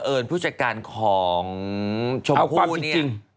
เดินผู้จัดการของชมครูเนี่ย